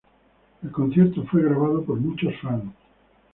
El concierto fue grabado por muchos fans.